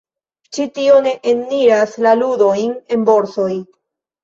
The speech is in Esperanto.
Ĉi tio ne eniras la ludojn en borsoj.